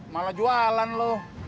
malah jualan lo